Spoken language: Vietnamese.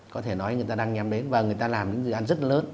có thể nói là người ta đang nhắm đến và người ta làm những dự án rất là lớn